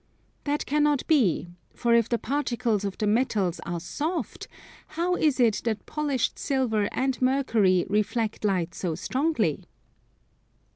That cannot be: for if the particles of the metals are soft, how is it that polished silver and mercury reflect light so strongly?